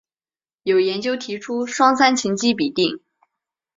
有研究提出双三嗪基吡啶。